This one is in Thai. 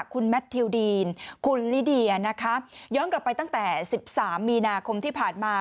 คุณแมททิวดีนคุณลิเดียนะคะย้อนกลับไปตั้งแต่๑๓มีนาคมที่ผ่านมา